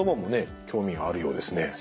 興味があるようですね。